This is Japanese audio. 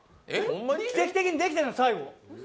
奇跡的にできてたの最後。